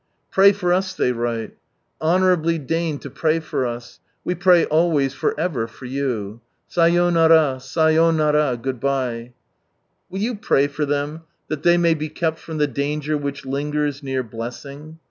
" Pray for us," they write, " honourably deign to pray for us, we pray always for ever for you I Saryonara, saryonara good bye I " Will you pray tor them, that ihey may be kept from the danger which lingers near blessing